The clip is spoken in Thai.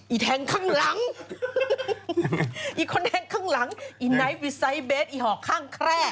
แทงข้างหลังอีกคนแทงข้างหลังอีไนท์วิไซเบสอีหอกข้างแคร่